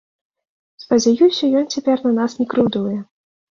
Спадзяюся, ён цяпер на нас не крыўдуе!